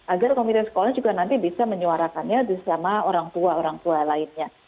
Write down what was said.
agar komite sekolah juga nanti bisa menyuarakannya bersama orang tua orang tua lainnya